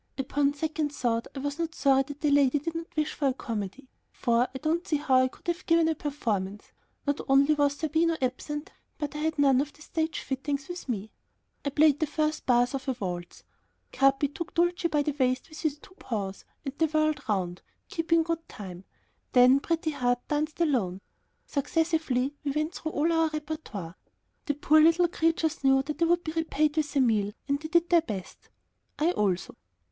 Upon second thought, I was not sorry that the lady did not wish for a comedy, for I don't see how I could have given a performance; not only was Zerbino absent, but I had none of the "stage fittings" with me. I played the first bars of a waltz. Capi took Dulcie by the waist with his two paws and they whirled round, keeping good time. Then Pretty Heart danced alone. Successively, we went through all our repertoire. We did not feel tired now. The poor little creatures knew that they would be repaid with a meal and they did their best. I also.